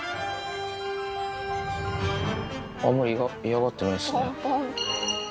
あんまり嫌がってないですね。